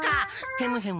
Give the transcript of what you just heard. ヘムヘム！